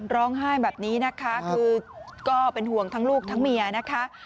ร้องไห้แบบนี้นะคะคือก็เป็นห่วงทั้งลูกทั้งเมียนะคะ